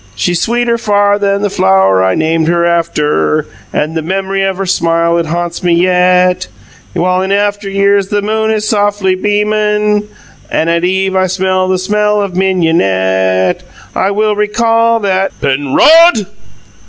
"She's sweeter far than the flower I named her after, And the memery of her smile it haunts me YET! When in after years the moon is soffly beamun' And at eve I smell the smell of mignonette I will re CALL that " "Pen ROD!"